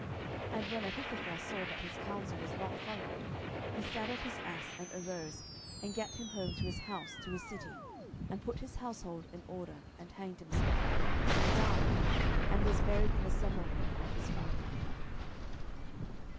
10:017:023 And when Ahithophel saw that his counsel was not followed, he saddled his ass, and arose, and gat him home to his house, to his city, and put his household in order, and hanged himself, and died, and was buried in the sepulchre of his father.